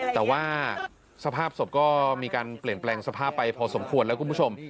แต่ว่าสภาพศพก็มีการเปลี่ยนแปลงสภาพไปพอสมควรแล้วคุณผู้ชม